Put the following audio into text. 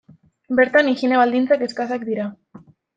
Bertan, higiene baldintzak eskasak dira.